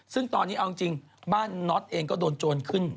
ซึ่งตอนนี้เอาจริงบ้านน็อตเองก็โดนโจรขึ้น